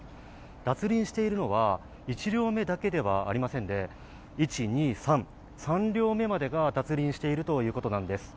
脱輪しているのは１両目だけではありませんで、３両目までが脱輪しているということなんです。